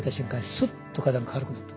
スッと肩が軽くなった。